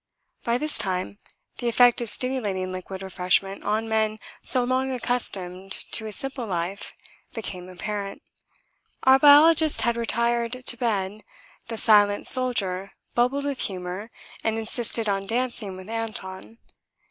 By this time the effect of stimulating liquid refreshment on men so long accustomed to a simple life became apparent. Our biologist had retired to bed, the silent Soldier bubbled with humour and insisted on dancing with Anton.